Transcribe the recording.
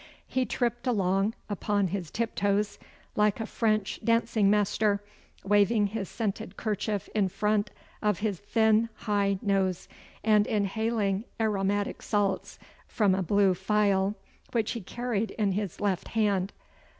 He tripped along upon his tiptoes like a French dancing master, waving his scented kerchief in front of his thin high nose, and inhaling aromatic salts from a blue phial which he carried in his left hand.